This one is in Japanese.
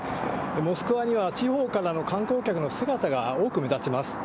モスクワには地方からの観光客の姿が多く目立ちます。